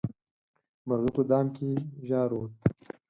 مرغه په دام کې جارووت.